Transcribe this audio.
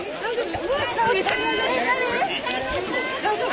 大丈夫？